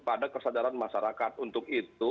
pada kesadaran masyarakat untuk itu